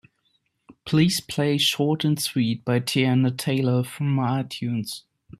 Please play Short And Sweet by Teyana Taylor from my itunes.